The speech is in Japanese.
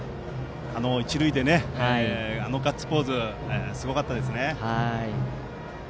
一塁であのガッツポーズはすごかったですね。